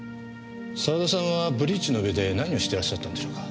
澤田さんはブリッジの上で何をしてらっしゃったんでしょうか？